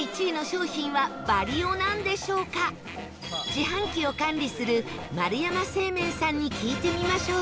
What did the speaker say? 自販機を管理する丸山製麺さんに聞いてみましょう